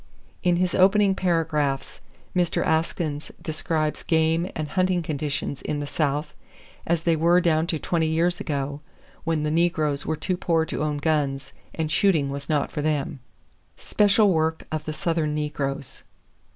[Page 110] In his opening paragraphs Mr. Askins describes game and hunting conditions in the South as they were down to twenty years ago, when the negroes were too poor to own guns, and shooting was not for them. SPECIAL WORK OF THE SOUTHERN NEGROES.